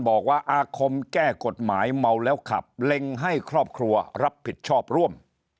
อาคมแก้กฎหมายเมาแล้วขับเล็งให้ครอบครัวรับผิดชอบร่วม